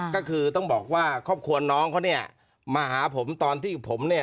ก็คือต้องบอกว่าครอบครัวน้องเขาเนี่ยมาหาผมตอนที่ผมเนี่ย